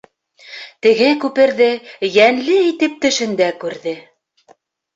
Теге күперҙе йәнле итеп төшөндә күрҙе.